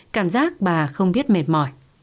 cảm giác bà không biết mệt mỏi